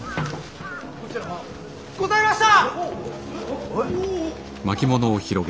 ございました！